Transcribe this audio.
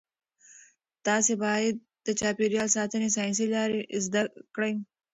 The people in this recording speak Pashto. تاسي باید د چاپیریال ساتنې ساینسي لارې زده کړئ.